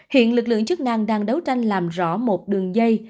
hiện lực lượng chức năng đang đấu tranh làm rõ một đường dây